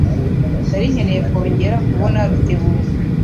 Nari nkeneye kongera kubona Rutebuka.